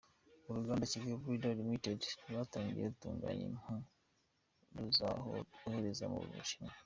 Uruganda Kigali Leather Ltd rwatangiye rutunganya impu rukazohereza mu Bushinwa.